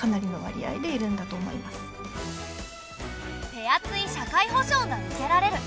手厚い社会保障が受けられる。